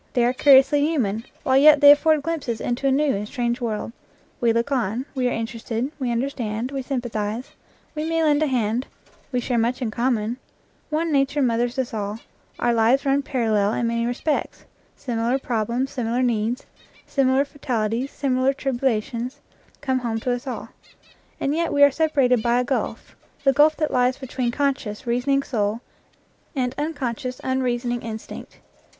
They are curiously human, while yet they afford glimpses into a new and strange world. We look on; we are interested; we understand; we sympathize; we may lend a hand; we share much in common; one nature mothers us all; our lives run parallel in many respects; similar problems, similar needs, similar fatalities, similar tribulations, come home to us all; and yet we are separated by a gulf, the gulf that lies between conscious, reasoning soul and unconscious, unreasoning instinct.